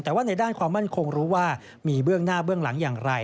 แต่ว่าในด้านความมั่นคงรู้ว่ามีเบื้องหน้าเบื้องหลังอย่างไร